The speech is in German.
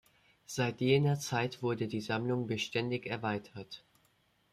Seit jener Zeit wurde die Sammlung beständig erweitert.